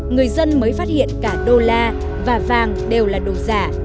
người dân mới phát hiện cả đô la và vàng đều là đồ giả